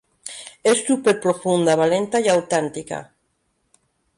És súper profunda, valenta i autèntica.